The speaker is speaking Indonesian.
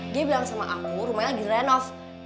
dia bilang sama aku rumahnya lagi renov